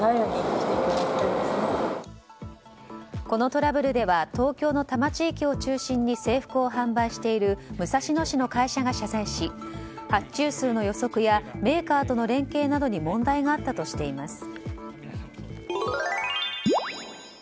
このトラブルでは東京の多摩地域を中心に制服を販売している武蔵野市の会社が謝罪し発注数の予測やメーカーとの連携などに問題があったとしています。